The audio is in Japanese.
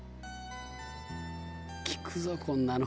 「効くぞこんなの。